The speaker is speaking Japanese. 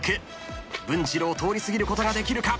文治郎通り過ぎることができるか？